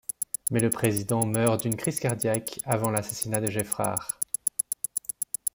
Mais le président meurt d'une crise cardiaque avant l'assassinat de Geffrard.